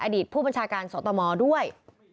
อดีตผู้บัญชาการสตมด้วย